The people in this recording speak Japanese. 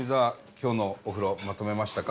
今日のお風呂まとめましたか？